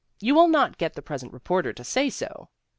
You will not get the present reporter to say so